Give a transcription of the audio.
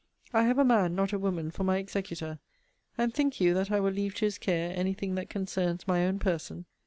I have a man, not a woman, for my executor: and think you that I will leave to his care any thing that concerns my own person?